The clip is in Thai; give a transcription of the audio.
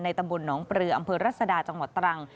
ตำบลหนองปลืออำเภอรัศดาจังหวัดตรัง